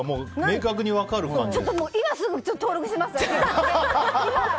事実が今すぐ登録します！